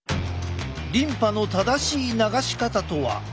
リンパの正しい流し方とは？